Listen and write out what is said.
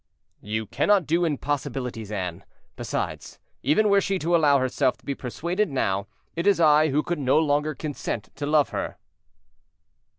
"You cannot do impossibilities, Anne; besides, even were she to allow herself to be persuaded now, it is I who could no longer consent to love her."